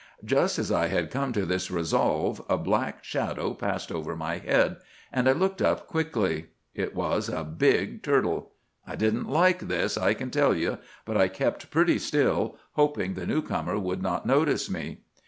"'Just as I had come to this resolve, a black shadow passed over my head, and I looked up quickly. It was a big turtle. I didn't like this, I can tell you; but I kept perfectly still, hoping the new comer would not notice me.